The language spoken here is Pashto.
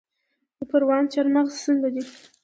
د پروان چارمغز څنګه دي؟